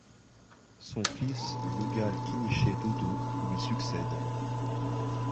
Son fils Lugal-kinishe-dudu lui succède.